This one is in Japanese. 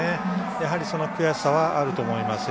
やはり、その悔しさはあると思います。